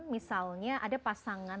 misalnya ada pasangan